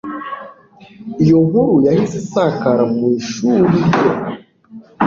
iyo nkuru yahise isakara mu ishuri rye